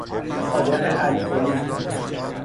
آدم الکلی